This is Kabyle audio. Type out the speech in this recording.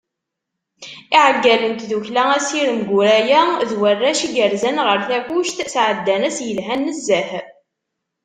Iεeggalen n tdukkla Asirem Guraya d warrac i yerzan ɣer Takkuct, sεeddan ass yelhan nezzeh.